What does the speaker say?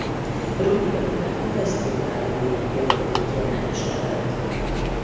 Röviddel utána Veszprém vármegyében hirdették ki a nemeslevelet.